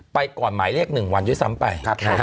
ไปก่อนไหมเลกหนึ่งวันด้วยซ้ำไป